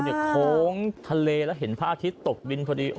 วิวเนี่ยโค้งทะเลแล้วเห็นพระอาทิตย์ตบวินพอดี